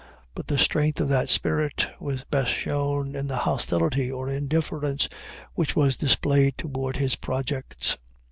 But the strength of that spirit was best shown in the hostility or indifference which was displayed toward his projects.